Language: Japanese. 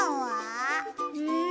うん？